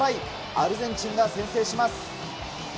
アルゼンチンが先制します。